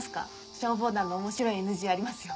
消防団の面白いＮＧありますよ。